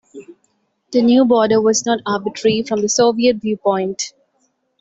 The new border was not arbitrary from the Soviet viewpoint.